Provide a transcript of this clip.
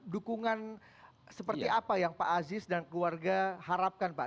dukungan seperti apa yang pak aziz dan keluarga harapkan pak